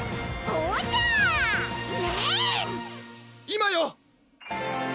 今よ！